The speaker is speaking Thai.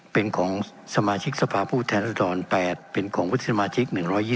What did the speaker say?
เป็นของสมาชิกสภาพผู้แทนรัศดร๘เป็นของวุฒิสมาชิก๑๒๒